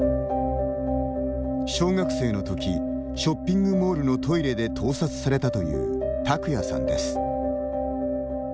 小学生の時ショッピングモールのトイレで盗撮されたという拓也さんです。